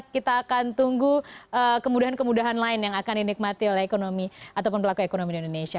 kita akan tunggu kemudahan kemudahan lain yang akan dinikmati oleh ekonomi ataupun pelaku ekonomi di indonesia